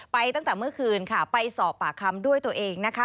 ตั้งแต่เมื่อคืนค่ะไปสอบปากคำด้วยตัวเองนะคะ